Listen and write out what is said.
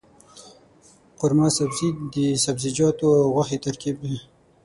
قورمه سبزي د سبزيجاتو او غوښې ترکیب دی.